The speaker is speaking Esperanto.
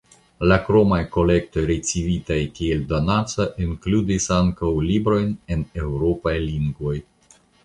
La kromaj kolektoj ricevitaj kiel donaco inkludis ankaŭ librojn en eŭropaj lingvoj.